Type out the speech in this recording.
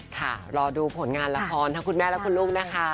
ค่ะรอดูผลงานละครทั้งคุณแม่และคุณลูกนะคะ